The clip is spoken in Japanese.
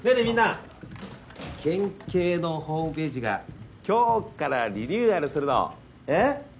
みんな県警のホームページが今日からリニューアルするのええ？